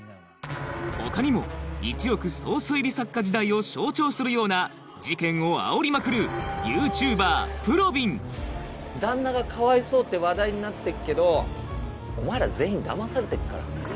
他にも一億総推理作家時代を象徴するような事件をあおりまくるＹｏｕＴｕｂｅｒぷろびん旦那がかわいそうって話題になってっけどお前ら全員だまされてっから。